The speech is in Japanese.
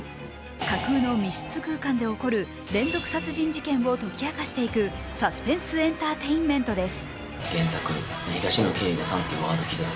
架空の密室空間で起こる連続殺人事件を解き明かしていくサスペンス・エンターテインメントです。